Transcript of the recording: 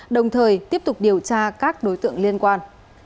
đồng thời tiếp tục điều tra các đối tượng liên quan